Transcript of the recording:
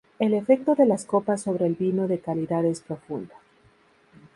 El efecto de las copas sobre el vino de calidad es profundo.